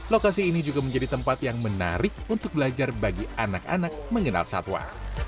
lokasi ini juga menjadi tempat yang menarik untuk belajar bagi anak anak mengenal satwa